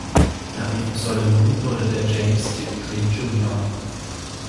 Nach ihrem Pseudonym wurde der James Tiptree, Jr.